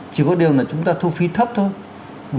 chỉ có điều là chúng ta thu phí thấp thôi